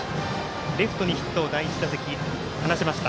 レフトにヒットを第１打席放ちました。